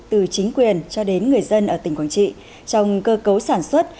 từ chính quyền cho đến người dân ở tỉnh quảng trị trong cơ cấu sản xuất